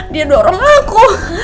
dia dorong aku